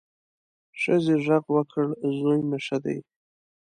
ښځه غږ وکړ، زوی مې ښه دی.